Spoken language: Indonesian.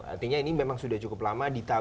artinya ini memang sudah cukup lama